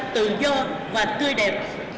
tự do và tươi đẹp